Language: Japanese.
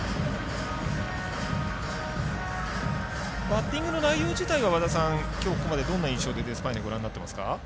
バッティングの内容自体はきょうここまで、どんな印象でデスパイネご覧になってますか？